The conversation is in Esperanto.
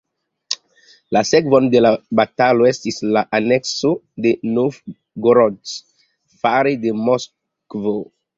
La sekvon de la batalo estis la anekso de Novgorod fare de Moskvo.